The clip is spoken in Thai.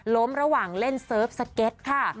ล้มระหว่างเล่นเซิร์ฟเซอร์ฟสเก็ตซ์ค่ะ